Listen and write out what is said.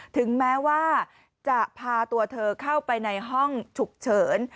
ถึงแม้ว่าจะพาตัวเธอเข้าไปในห้องฉุกเฉิน